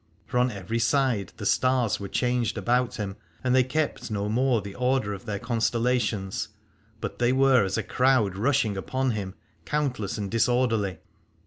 For on every side the stars were changed about him, and they kept no more the order of their constellations, but they were as a crowd rushing upon him, countless and disorderly.